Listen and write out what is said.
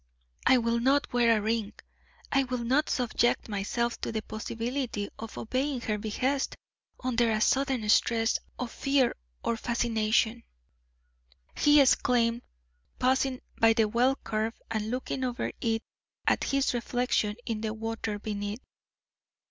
"I will not wear a ring, I will not subject myself to the possibility of obeying her behest under a sudden stress of fear or fascination," he exclaimed, pausing by the well curb and looking over it at his reflection in the water beneath.